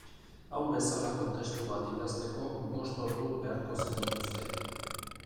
Hau bezalako testu bat idazteko bost ordu beharko zenituzke.